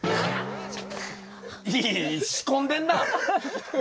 いやいや仕込んでんな！